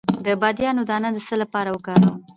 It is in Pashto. د بادیان دانه د څه لپاره وکاروم؟